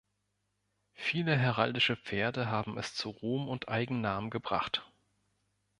Viele heraldische Pferde haben es zu Ruhm und Eigennamen gebracht.